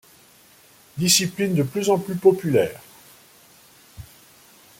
Discipline de plus en plus populaire.